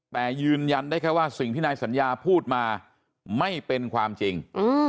แต่ยืนยันได้แค่ว่าสิ่งที่นายสัญญาพูดมาไม่เป็นความจริง